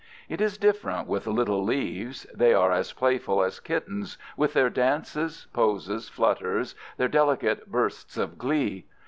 It is different with little leaves. They are as playful as kittens, with their dances, poses, flutters, their delicate bursts of glee.